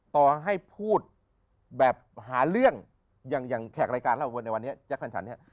ต่อให้พูดแบบหาเรื่องอย่างแขกรายการเราในวันนี้แจ๊คคันฉันเนี่ย